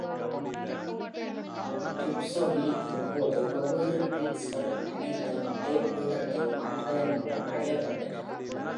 "Dripsody" இன் போது வெவ்வேறு பிட்ச்கள் அனைத்தும் டேப் வேகத்தை மாற்றுவதன் மூலம் அடையப்பட்டன.